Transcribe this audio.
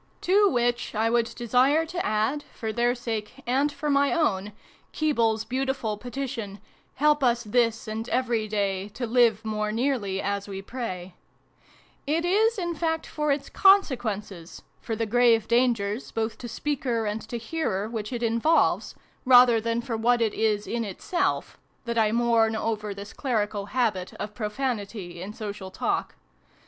" To which I would desire to add, for their sake and for my own, Keble's beautiful petition, "help us, this and every day, To live more nearly as we pray /" It is, in fact, for its consequences for the grave dangers, both to speaker and to hearer, which it involves rather than for what it is in itself, that I mourn over this clerical habit of profanity in social talk.